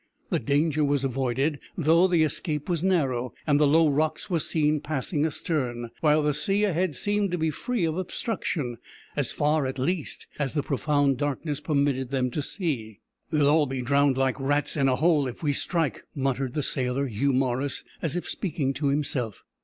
The danger was avoided, though the escape was narrow, and the low rocks were seen passing astern, while the sea ahead seemed to be free from obstruction, as far, at least, as the profound darkness permitted them to see. "They'll be all drowned like rats in a hole if we strike," muttered the sailor, Hugh Morris, as if speaking to himself.